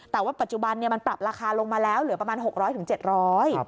แต่ว่าปัจจุบันมันปรับราคาลงมาแล้วเหลือประมาณ๖๐๐๗๐๐บาท